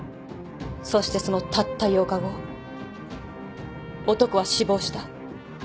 そしてそのたった８日後男は死亡した。